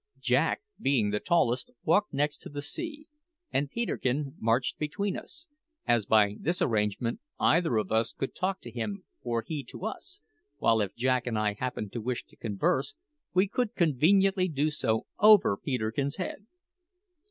Jack, being the tallest, walked next the sea, and Peterkin marched between us, as by this arrangement either of us could talk to him or he to us, while if Jack and I happened to wish to converse together we could conveniently do so over Peterkin's head.